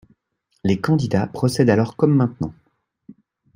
Les candidats procèdent alors comme maintenant.